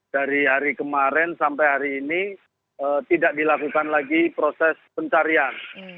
dari hari kemarin sampai hari ini tidak dilakukan lagi proses pencarian